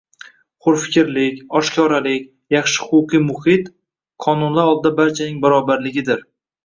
Hurfikrlik, oshkoralik, yaxshi huquqiy muhit — qonunlar oldida barchaning barobarligi